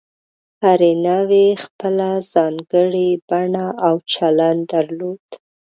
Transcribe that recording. هرې نوعې خپله ځانګړې بڼه او چلند درلود.